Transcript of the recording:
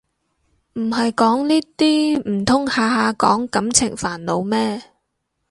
唔係講呢啲唔通下下講感情煩惱咩